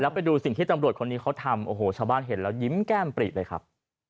ไปดูสิ่งที่ตำรวจคนนี้เขาทำโอ้โหชาวบ้านเห็นแล้วยิ้มแก้มปริเลยครับ